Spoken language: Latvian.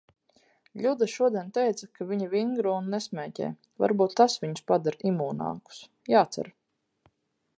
Ļuda šodien teica, ka viņi vingro un nesmēķē. Varbūt tas viņus padara imūnākus. Jācer.